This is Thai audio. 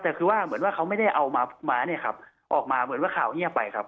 แต่คือว่าเหมือนว่าเขาไม่ได้เอามาม้าเนี่ยครับออกมาเหมือนว่าข่าวเงียบไปครับ